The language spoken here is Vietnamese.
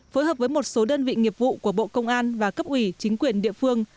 phối hợp với một số đơn vị nghiệp vụ của bộ công an và cấp ủy chính quyền địa phương